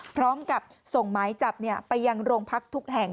พร้อมกับส่งหมายจับไปยังโรงพักทุกแห่ง